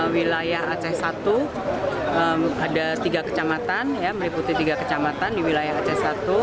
wilayah aceh satu ada tiga kecamatan meliputi tiga kecamatan di wilayah aceh satu